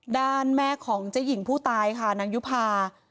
แม่ของเจ๊หญิงผู้ตายค่ะนางยุภา